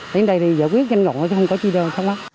đến đây thì giải quyết nhanh gọn không có chi đâu